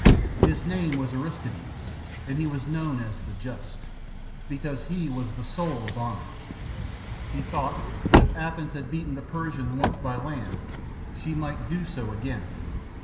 His name was Aristides, and he was known as the Just, because he was the soul of honour. He thought, that if Athens had beaten the Persians once by land, she might do so again.